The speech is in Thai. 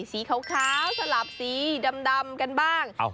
สีขาวสลับสีดำกันบ้าง